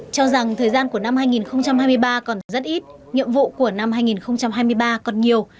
cho rằng thời gian của năm hai nghìn hai mươi ba còn rất ít nhiệm vụ của năm hai nghìn hai mươi ba còn nhiều